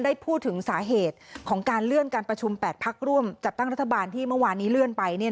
ได้พูดถึงสาเหตุของการเลื่อนการประชุม๘พักร่วมจัดตั้งรัฐบาลที่เมื่อวานนี้เลื่อนไป